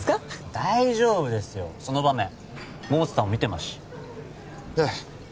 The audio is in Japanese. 大丈夫ですよその場面百瀬さんも見てますしええ